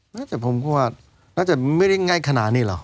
น่าจะผมคิดว่าน่าจะไม่ได้ง่ายขนาดนี้หรอก